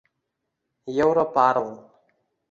europarl